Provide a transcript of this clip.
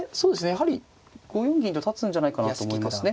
やはり５四銀と立つんじゃないかなと思いますね。